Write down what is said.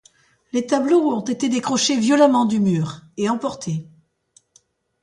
Les tableaux ont été décrochés violemment du mur et emportés.